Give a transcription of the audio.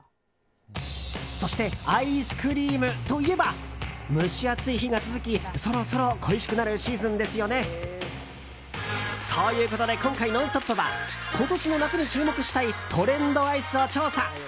そしてアイスクリームといえば蒸し暑い日が続き、そろそろ恋しくなるシーズンですよね？ということで、今回「ノンストップ！」は今年の夏に注目したいトレンドアイスを調査！